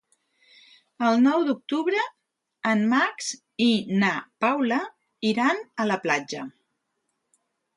El nou d'octubre en Max i na Paula iran a la platja.